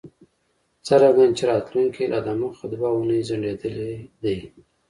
څرنګه چې راتلونکی لا دمخه دوه اونۍ ځنډیدلی دی